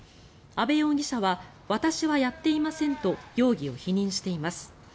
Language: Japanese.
阿部容疑者は私はやっていませんと容疑を否認しています。